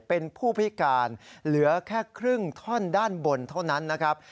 เป็นผู้พิการเหลือแค่ครึ่งท่อนด้านบนเท่านั้นนะครับ